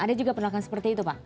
ada juga penolakan seperti itu pak